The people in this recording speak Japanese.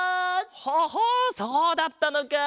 ハハそうだったのか！